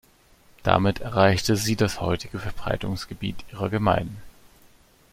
Damit erreichte sie das heutige Verbreitungsgebiet ihrer Gemeinden.